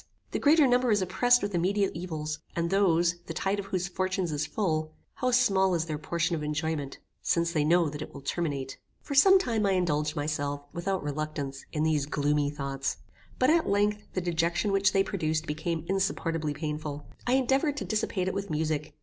The greater number is oppressed with immediate evils, and those, the tide of whose fortunes is full, how small is their portion of enjoyment, since they know that it will terminate. For some time I indulged myself, without reluctance, in these gloomy thoughts; but at length, the dejection which they produced became insupportably painful. I endeavoured to dissipate it with music.